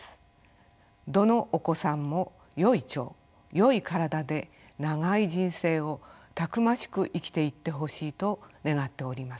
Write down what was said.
どのお子さんもよい腸よい体で長い人生をたくましく生きていってほしいと願っております。